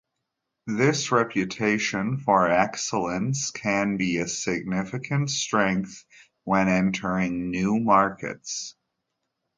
This reputation for excellence can be a significant strength when entering new markets.